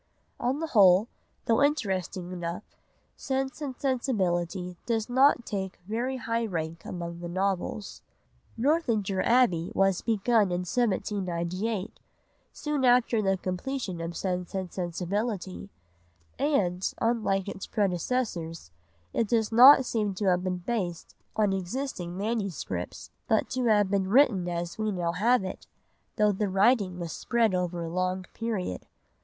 On the whole, though interesting enough, Sense and Sensibility does not take very high rank among the novels. Northanger Abbey was begun in 1798, soon after the completion of Sense and Sensibility, and, unlike its predecessors, it does not seem to have been based on existing MSS., but to have been written as we now have it, though the writing was spread over a long period.